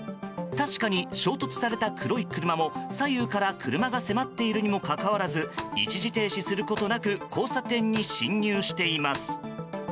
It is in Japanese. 確かに衝突された黒い車も左右から車が迫っているにもかかわらず一時停止することなく交差点に進入しています。